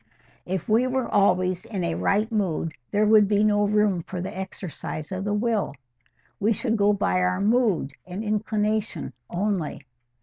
"If we were always in a right mood, there would be no room for the exercise of the will. We should go by our mood and inclination only.